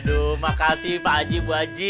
aduh makasih pak haji bu haji